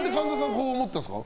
そう思ったんですか？